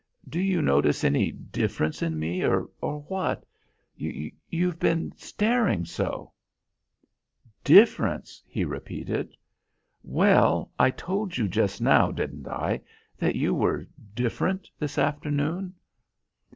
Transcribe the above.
"Do you notice any difference in me, or what? You you've been staring so!" "Difference!" he repeated. "Well, I told you just now, didn't I, that you were different this afternoon?"